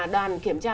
đoàn kiểm tra